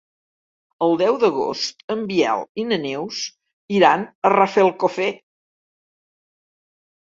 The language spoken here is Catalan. El deu d'agost en Biel i na Neus iran a Rafelcofer.